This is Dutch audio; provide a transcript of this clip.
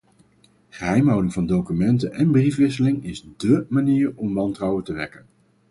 Geheimhouding van documenten en briefwisselingen is dé manier om wantrouwen te wekken.